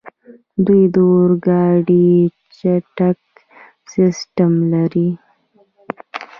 دوی د اورګاډي چټک سیسټم لري.